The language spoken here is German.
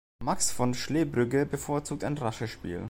Max von Schlebrügge bevorzugt ein rasches Spiel.